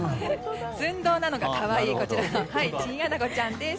ずん胴なのが可愛いこちらのチンアナゴちゃんです。